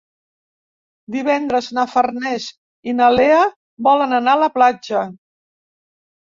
Divendres na Farners i na Lea volen anar a la platja.